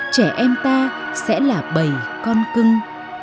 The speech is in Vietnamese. trẻ em ta sẽ là bầy con cưng